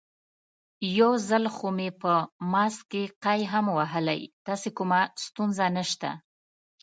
یو ځل خو مې په ماسک کې قی هم وهلی، داسې کومه ستونزه نشته.